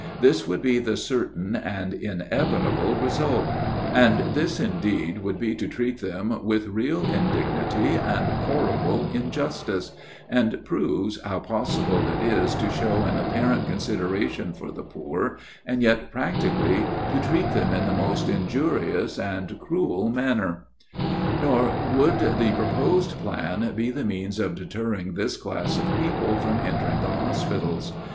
This would be the certain and inevitable result: and this, indeed, would be to treat them with real indignity, and horrible injustice; and proves, how possible it is to show an apparent consideration for the poor, and yet practically to treat them in the most injurious and cruel manner. Nor would the proposed plan be the means of deterring this class of people from entering the hospitals.